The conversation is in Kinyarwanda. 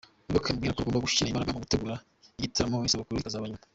Muyoboke amubwira ko bagomba gushyira imbaraga mu gutegura igitaramo isabukuru ikazaza nyuma.